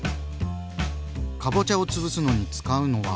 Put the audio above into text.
かぼちゃを潰すのに使うのは？